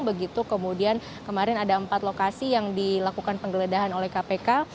begitu kemudian kemarin ada empat lokasi yang dilakukan penggeledahan oleh kpk